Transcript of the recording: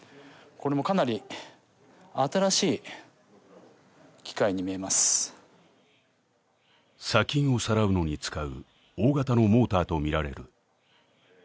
これもかなり新しい機械に見えます砂金をさらうのに使う大型のモーターとみられる